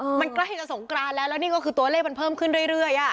มันใกล้จะสงกรานแล้วแล้วนี่ก็คือตัวเลขมันเพิ่มขึ้นเรื่อยเรื่อยอ่ะ